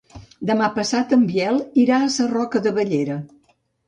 Demà passat en Biel irà a Sarroca de Bellera.